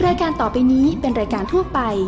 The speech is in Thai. รายการต่อไปนี้เป็นรายการทั่วไป